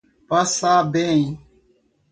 Passabém